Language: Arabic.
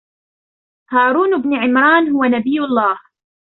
هارون بن عمران، هو نبي الله.